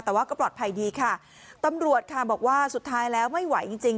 แต่ว่าก็ปลอดภัยดีค่ะตำรวจค่ะบอกว่าสุดท้ายแล้วไม่ไหวจริงจริง